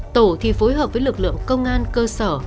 tổ thì phối hợp với lực lượng công an cơ sở